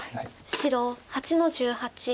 白８の十八ツギ。